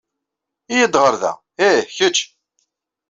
Yya-d ɣer da! Ih, kečč.